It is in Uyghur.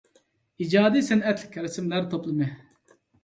ئىجادىي سەنئەتلىك رەسىملەر توپلىمى.